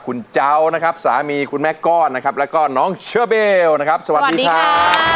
คุณเจ้านะครับสามีคุณแม่ก้อนนะครับแล้วก็น้องเชอเบลนะครับสวัสดีครับ